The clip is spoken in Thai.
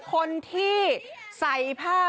คนที่ใส่ผ้า